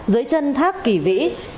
giới chân thác bản dốc tỉnh cao bằng